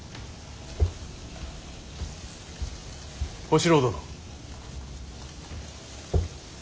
小四郎殿。